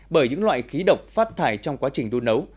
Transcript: bởi những loại khí độc phát thải trong quá trình đun nấu